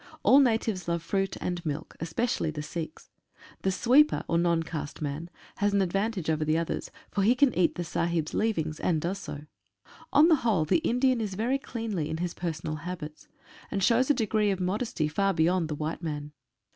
All natives love fruit and milk, especially the Sikhs. The sweeper, or non caste man, has an advantage over the others, for he can eat the Sahibs' leavings, and does so. On the whole the Indian is very cleanly in his personal habits, and shows a degree of modesty far beyond the white man.